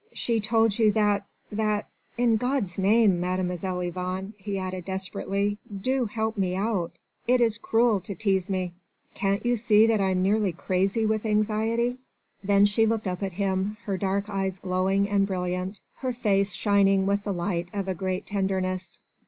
"She told you that ... that.... In God's name, Mademoiselle Yvonne," he added desperately, "do help me out it is cruel to tease me! Can't you see that I'm nearly crazy with anxiety?" Then she looked up at him, her dark eyes glowing and brilliant, her face shining with the light of a great tenderness.